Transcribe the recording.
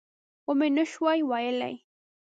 ومې نه شوای ویلای.